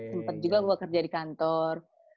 sempat juga gue kerja di kantor